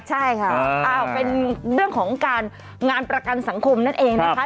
ใช่ค่ะเป็นเรื่องของการงานประกันสังคมนั่นเองนะคะ